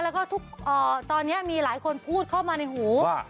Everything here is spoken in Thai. แล้วก็ทุกตอนนี้มีหลายคนพูดเข้ามาในหู